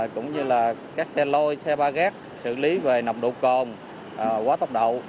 cũng như là các xe lôi xe ba gác xử lý về nồng độ cồn quá tốc độ